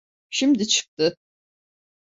Şimdi çıktı.